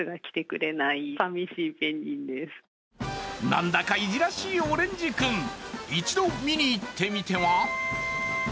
なんだか意地らしいオレンジ君、一度見に行ってみては？